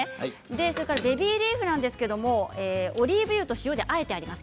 それからベビーリーフなんですがオリーブ油と塩であえてあります。